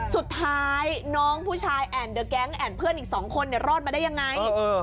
สุดท้ายน้องผู้ชายแอ่นเดอะแก๊งแอ่นเพื่อนอีก๒คนรอดมาได้ยังไง